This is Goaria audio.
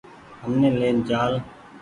همني لين چآل۔